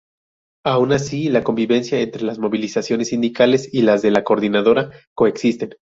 Aún así la convivencia entre las movilizaciones sindicales y las de la Coordinadora coexisten.